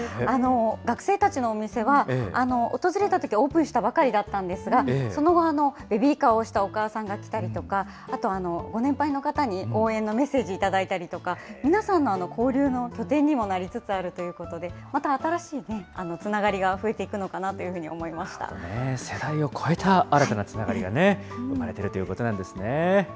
学生たちのお店は、訪れたとき、オープンしたばかりだったんですが、その後、ベビーカーを押したお母さんが来たりとか、あと、ご年配の方に応援のメッセージを頂いたりとか、皆さんの交流の拠点にもなりつつあるということで、また新しいつながりが増えていく世代を越えた新たなつながりが生まれているということなんですね。